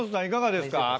いかがですか？